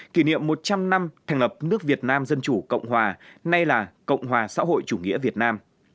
kỷ niệm một trăm linh năm thành lập nước việt nam dân chủ cộng hòa nay là cộng hòa xã hội chủ nghĩa việt nam